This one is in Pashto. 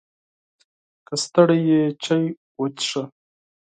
که ستړی یې، چای وڅښه!